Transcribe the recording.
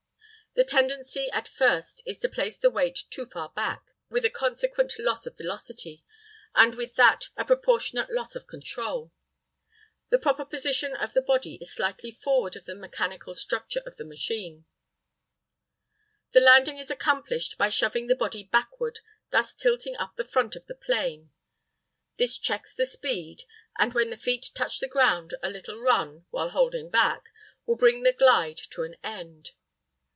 The tendency at first is to place the weight too far back, with a consequent loss of velocity, and with that a proportionate loss of control. The proper position of the body is slightly forward of the mechanical centre of the machine. The landing is accomplished by shoving the body backward, thus tilting up the front of the plane. This checks the speed, and when the feet touch the ground a little run, while holding back, will bring the glide to an end.